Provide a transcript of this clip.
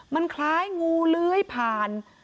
มันคล้ายงูเลื้อยผ่าน